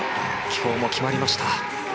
今日も決まりました。